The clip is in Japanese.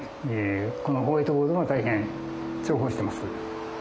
このホワイトボードは大変重宝してます。